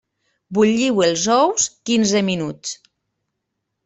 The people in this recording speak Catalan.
Bulliu els ous quinze minuts.